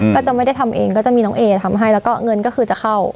ก็จะไม่ได้ทำเองก็จะมีน้องเอทำให้แล้วก็เงินก็คือจะเข้า